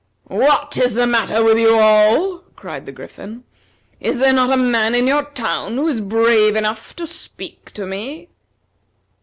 "What is the matter with you all?" cried the Griffin. "Is there not a man in your town who is brave enough to speak to me?"